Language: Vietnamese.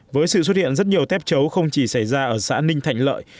với sự xuất hiện rất nhiều tép chấu không chỉ xảy ra ở xã ninh thạnh lợi